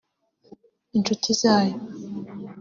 inshuti zayo